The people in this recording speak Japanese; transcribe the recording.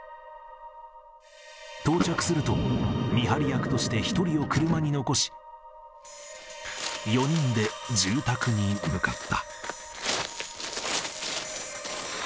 到着すると、見張り役として１人を車に残し、４人で住宅に向かった。